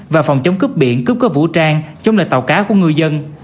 và phòng chống cướp biển cướp cơ vũ trang chống lệ tàu cá của ngư dân